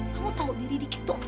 kamu tau diri dikit dong